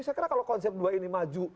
saya kira kalau konsep dua ini maju